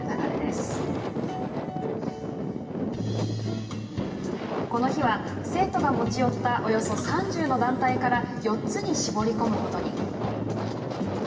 この日は、生徒が持ち寄ったおよそ３０の団体から４つに絞り込むことに。